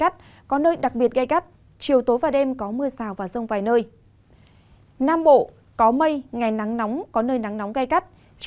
chiều tối và đêm có mưa rào và sông giải rác